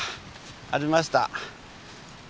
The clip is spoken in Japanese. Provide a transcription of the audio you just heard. ありました。